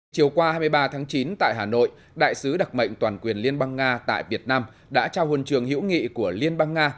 chiều qua hai mươi ba tháng chín tại hà nội đại sứ đặc mệnh toàn quyền liên bang nga tại việt nam đã trao hồn trường hữu nghị của liên bang nga